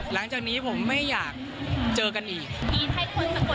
หลังจากนี้ผมไม่อยากเจอกันอีก